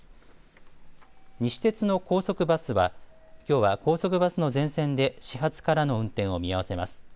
西鉄の高速バスは、きょうは高速バスの全線で始発からの運転を見合わせます。